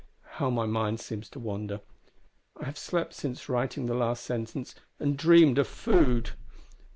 How my mind seems to wander! I have slept since writing the last sentence, and dreamed of food!